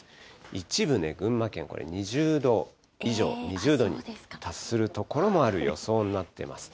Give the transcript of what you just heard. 一部で群馬県、これ２０度以上、２０度に達する所もある予想になってます。